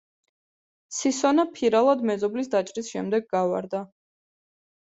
სისონა ფირალად მეზობლის დაჭრის შემდეგ გავარდა.